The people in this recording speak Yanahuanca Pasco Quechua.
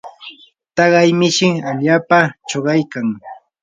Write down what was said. taqay mishi allaapam chuqaykan.